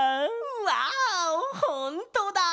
うわほんとだ！